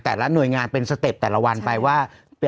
แต่ละหน่วยงานเป็นสเต็ปแต่ละวันไปว่า